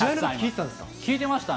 聴いてましたね。